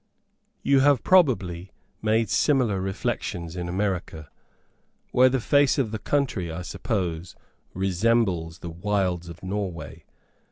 You have probably made similar reflections in America, where the face of the country, I suppose, resembles the wilds of Norway.